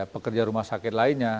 pekerja rumah sakit lainnya